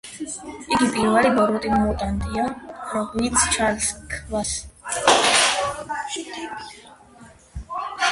იგი პირველი ბოროტი მუტანტია, ვინც ჩარლზ ქსავიეს შეხვდა, დაარწმუნა რა იგი იქს-ადამიანების არსებობის აუცილებლობაში.